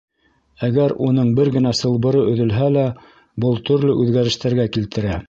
Әгәр уның бер генә сылбыры өҙөлһә лә, был төрлө үҙгәрештәргә килтерә.